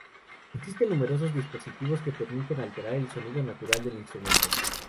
Existen numerosos dispositivos que permiten alterar el sonido natural del instrumento.